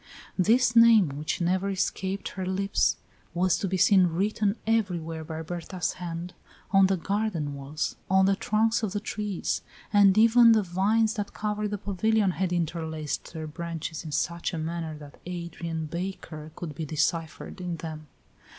This name, which never escaped her lips, was to be seen written everywhere by Berta's hand, on the garden walls, on the trunks of the trees; and even the vines that covered the pavilion had interlaced their branches in such a manner that "Adrian Baker" could be deciphered in them.